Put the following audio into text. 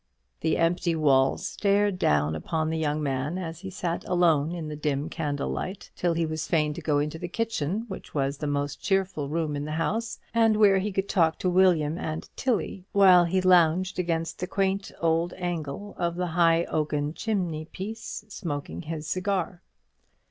The empty walls stared down upon the young man as he sat alone in the dim candlelight, till he was fain to go into the kitchen, which was the most cheerful room in the house, and where he could talk to William and Tilly, while he lounged against the quaint old angle of the high oaken chimney piece smoking his cigar.